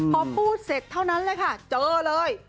พอพูดเสร็จเท่านั้นเลยค่ะเจอเลย